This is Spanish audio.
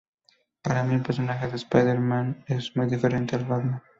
Para mí, el personaje de Spider-Man es muy diferente a Batman.